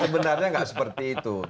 sebenarnya nggak seperti itu